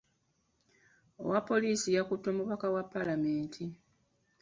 Owa poliisi yakutte omubaka wa paalamenti.